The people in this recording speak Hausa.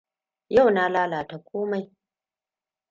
Yau na lalata komai.